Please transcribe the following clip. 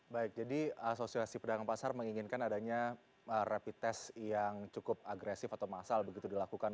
baik jadi asosiasi pedagang pasar menginginkan adanya rapid test yang cukup agresif atau massal begitu dilakukan